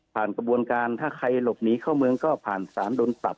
กระบวนการถ้าใครหลบหนีเข้าเมืองก็ผ่านสารโดนปรับ